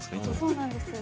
そうなんです。